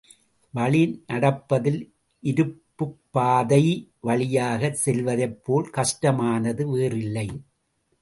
வழி நடப்பதில் இருப்புப்பாதை வழியாகச் செல்வதைப் போல் கஷ்டமானது வேறில்லை.